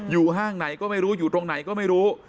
ห้างไหนก็ไม่รู้อยู่ตรงไหนก็ไม่รู้